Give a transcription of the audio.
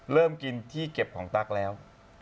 เริ่มกินที่เก็บของตั๊กแล้ว